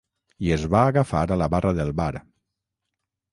I es va agafar a la barra del bar.